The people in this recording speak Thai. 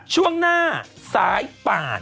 ช่วงหน้าสายป่าน